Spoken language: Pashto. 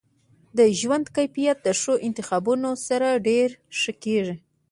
د ژوند کیفیت د ښو انتخابونو سره ډیر ښه کیږي.